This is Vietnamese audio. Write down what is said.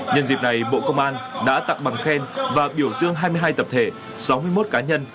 nhân dịp này bộ công an đã tặng bằng khen và biểu dương hai mươi hai tập thể sáu mươi một cá nhân